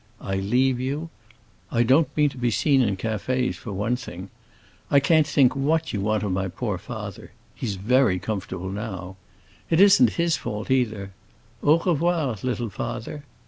I leave you; I don't mean to be seen in cafés, for one thing. I can't think what you want of my poor father; he's very comfortable now. It isn't his fault, either. Au revoir, little father."